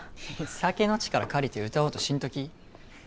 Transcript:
酒の力借りて歌おうとしんとき。